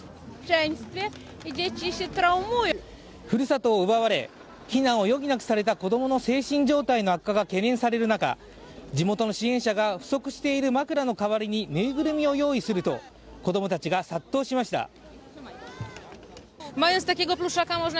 ふるさとを奪われ、避難を余儀なくされた子供の精神状態の悪化が懸念される中、地元の支援者が不足している枕の代わりにぬいぐるみを用意すると、子供たちが殺到しました。